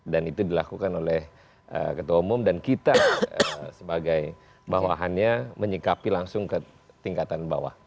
dan itu dilakukan oleh ketua umum dan kita sebagai bawahannya menyikapi langsung ke tingkatan bawah